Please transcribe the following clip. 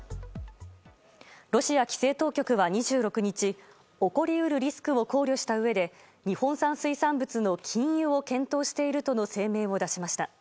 ロシア規制当局は２６日起こり得るリスクを考慮したうえで日本産水産物の禁輸を検討しているとの声明を出しました。